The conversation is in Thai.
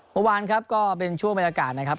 เมื่อวานครับก็เป็นช่วงบรรยากาศนะครับ